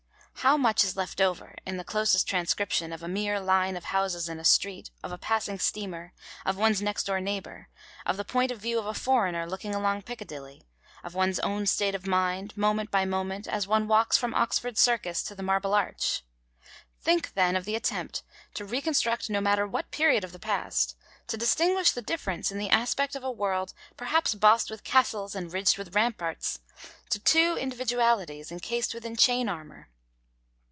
How much is left over, in the closest transcription of a mere line of houses in a street, of a passing steamer, of one's next door neighbour, of the point of view of a foreigner looking along Piccadilly, of one's own state of mind, moment by moment, as one walks from Oxford Circus to the Marble Arch? Think, then, of the attempt to reconstruct no matter what period of the past, to distinguish the difference in the aspect of a world perhaps bossed with castles and ridged with ramparts, to two individualities encased within chain armour!